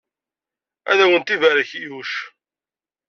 Ad awent-ibarek Yuc!